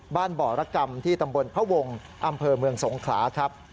บ่อรกรรมที่ตำบลพระวงศ์อำเภอเมืองสงขลาครับ